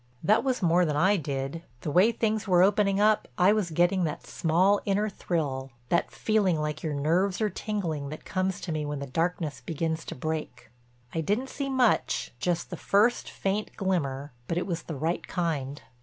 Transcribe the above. That was more than I did. The way things were opening up, I was getting that small, inner thrill, that feeling like your nerves are tingling that comes to me when the darkness begins to break. I didn't see much, just the first, faint glimmer, but it was the right kind.